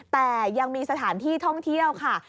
แต่ยังมีสถานที่ท่องเที่ยวค่ะ